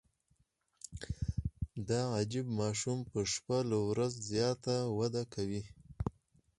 دا عجیب ماشوم په شپه له ورځ زیاته وده کوي.